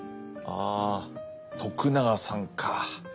ああ徳永さんか。